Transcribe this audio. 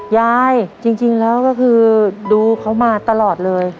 จริงแล้วก็คือดูเขามาตลอดเลย